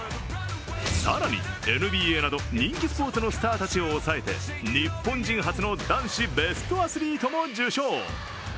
更にＮＢＡなど人気スポーツのスターたちを抑えて日本人初の男子ベストアスリートも受賞。